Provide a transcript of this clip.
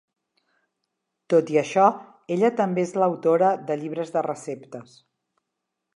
Tot i això ella també és l'autora de llibres de receptes.